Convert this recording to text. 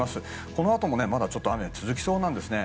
このあともまだ雨は続きそうなんですね。